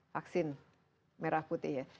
vaksin merah putih ya